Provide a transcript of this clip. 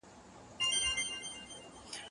زه به سبا انځور وګورم؟